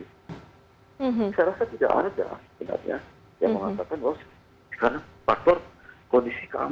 saya rasa tidak ada sebenarnya yang mengatakan bahwa karena faktor kondisi keamanan